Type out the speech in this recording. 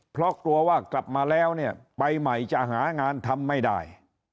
เพราะกลัวว่ากลับมาแล้วเนี่ยไปใหม่จะหางานทำไม่ได้